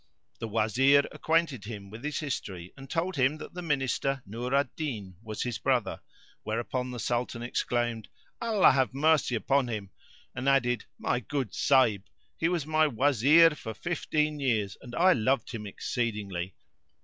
The Wazir acquainted him with his history and told him that the Minister Nur al Din was his brother; whereupon the Sultan exclaimed, "Allah have mercy upon him!" and added, "My good Sahib!" [FN#461]; he was my Wazir for fifteen years and I loved him exceedingly.